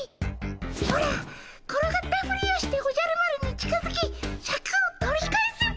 オラ転がったふりをしておじゃる丸に近づきシャクを取り返すっ